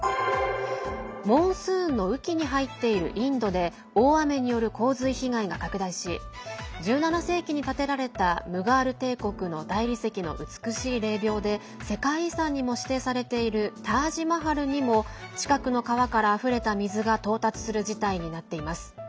モンスーンの雨季に入っているインドで大雨による洪水被害が拡大し１７世紀に建てられたムガール帝国の大理石の美しい霊びょうで世界遺産にも指定されているタージ・マハルにも近くの川からあふれた水が到達する事態になっています。